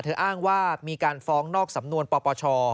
อ้างว่ามีการฟ้องนอกสำนวนปปช